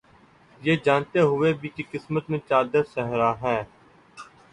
یہ جانتے ہوئے بھی، کہ قسمت میں چادر صحرا ہے